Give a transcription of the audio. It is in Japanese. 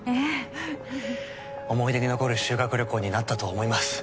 あ思い出に残る修学旅行になったと思います